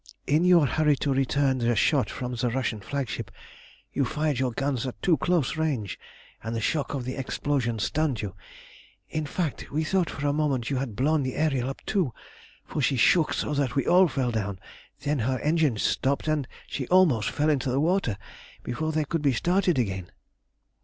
In your hurry to return the shot from the Russian flagship you fired your guns at too close range, and the shock of the explosion stunned you. In fact, we thought for the moment you had blown the Ariel up too, for she shook so that we all fell down; then her engines stopped, and she almost fell into the water before they could be started again."